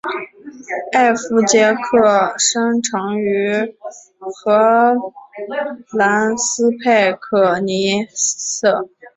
艾佛杰克生长于荷兰斯派克尼瑟。